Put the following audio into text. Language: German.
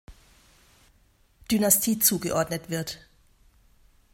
Dynastie zugeordnet wird.